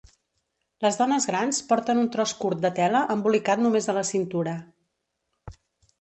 Les dones grans porten un tros curt de tela embolicat només a la cintura.